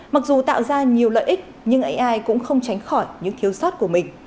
mặc dù tạo ra nhiều lợi ích nhưng ai cũng không tránh khỏi những thiếu sót của mình